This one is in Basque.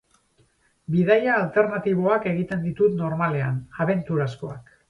Bidaia alternatiboak egiten ditut normalean, abenturazkoak.